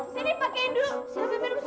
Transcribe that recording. sini pakein dulu